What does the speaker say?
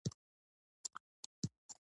خو نېشه هم لري.